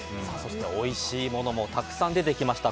おいしいものもたくさん出てきました